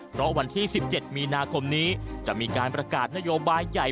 เพราะวันที่๑๗มีนาคมนี้จะมีการประกาศนโยบายใหญ่